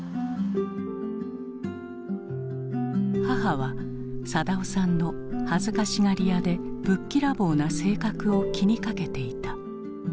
母は定男さんの恥ずかしがり屋でぶっきらぼうな性格を気にかけていた。